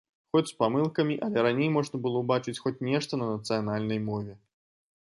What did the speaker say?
Хоць з памылкамі, але раней можна было ўбачыць хоць нешта на нацыянальнай мове.